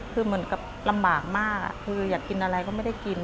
คือเหมือนกับลำบากมากคืออยากกินอะไรก็ไม่ได้กิน